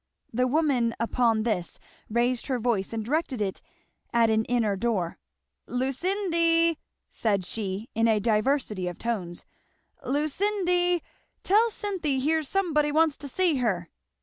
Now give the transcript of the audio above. The woman upon this raised her voice and directed it at an inner door. "Lucindy!" said she in a diversity of tones, "Lucindy! tell Cynthy here's somebody wants to see her."